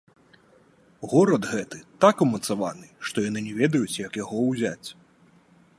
Горад гэты так умацаваны, што яны не ведаюць, як яго ўзяць.